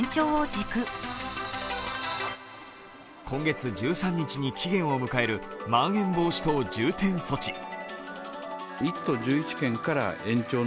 今月１３日に期限を迎えるまん延防止等重点措置。